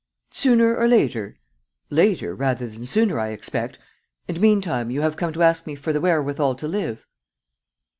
..." "Sooner or later? Later rather than sooner, I expect! And, meantime, you have come to ask me for the wherewithal to live?"